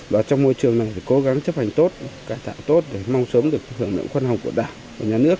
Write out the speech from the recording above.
và trong môi trường này phải cố gắng chấp hành tốt cải tạo tốt để mong sớm được hưởng lượng khoan hồng của đảng của nhà nước